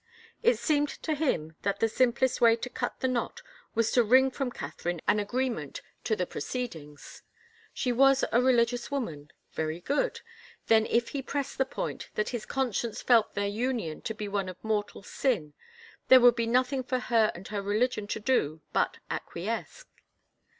It seemed to him that the simplest way to cut the knot was to wring from Catherine an agreement to the proceedings. She was a religious woman. Very good ! Then if he pressed the point that his conscience felt their union to be one of mortal sin there would be nothing for her and her religion to do but acquiesce.